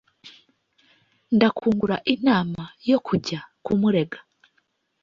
ndakungura inama yokujya kumurega